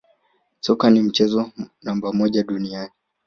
Soka ni mchezo namba moja duniani